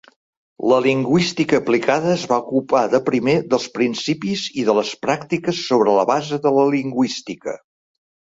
La lingüística aplicada es va ocupar de primer dels principis i de les pràctiques sobre la base de la lingüística.